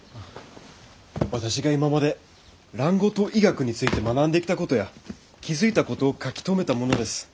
私が今まで蘭語と医学について学んできたことや気付いたことを書き留めたものです。